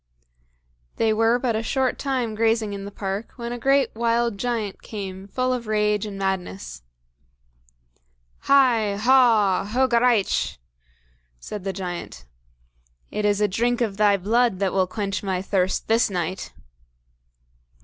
They were but a short time grazing in the park when a great wild giant came full of rage and madness. "HI! HAW!! HOGARAICH!!!" said the giant. "It is a drink of thy blood that will quench my thirst this night."